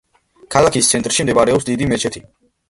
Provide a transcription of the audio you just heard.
ქალაქის ცენტრში მდებარეობს დიდი მეჩეთი.